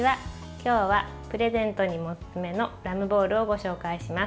今日はプレゼントにもおすすめのラムボールをご紹介します。